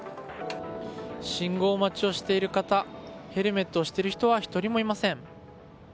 信号待ちをしている方ヘルメットをしている人は１人もいません。